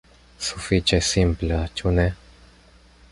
Sufiĉe simpla, ĉu ne?